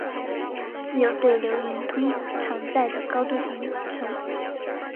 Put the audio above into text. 自由对流云通常在的高度形成。